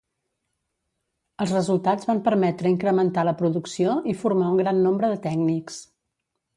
Els resultats van permetre incrementar la producció i formar un gran nombre de tècnics.